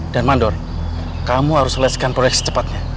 dan mandor kamu harus selesikan proyek secepatnya